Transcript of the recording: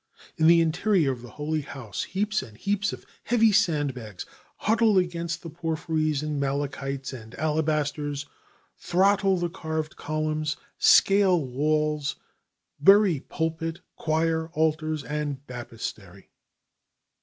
In the interior of the holy house heaps and heaps of heavy sandbags huddle against the porphyries and malachites and alabasters, throttle the carved columns, scale walls, bury pulpit, choir, altars and baptistery.